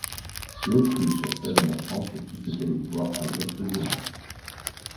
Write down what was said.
L'Autriche cède à la France tous ses territoires à l'ouest du Rhin.